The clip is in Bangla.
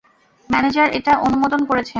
ম্যানেজার এটা অনুমোদন করেছেন।